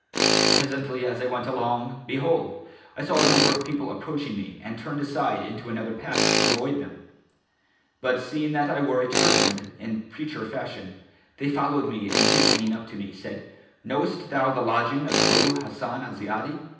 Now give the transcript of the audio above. Presently, as I went along, behold, I saw a number of people approaching me and turned aside into another path to avoid them; but seeing that I wore a turband in preacher fashion,[FN#419] they followed me and hastening up to me, said, 'Knowest thou the lodging of Abu Hassan al Ziyadi?'